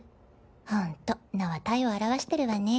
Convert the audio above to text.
ホント名は体を表してるわね。